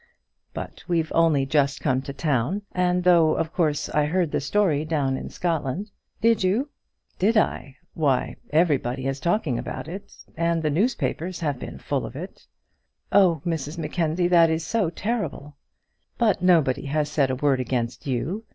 "But we've only just come to town; and though of course I heard the story down in Scotland " "Did you?" "Did I? Why, everybody is talking about it, and the newspapers have been full of it." "Oh, Mrs Mackenzie, that is so terrible." "But nobody has said a word against you.